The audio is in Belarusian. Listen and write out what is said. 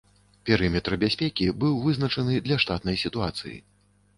Перыметр бяспекі быў вызначаны для штатнай сітуацыі.